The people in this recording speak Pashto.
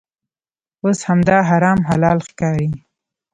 اوس همدا حرام حلال ښکاري.